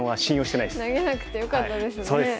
投げなくてよかったですね。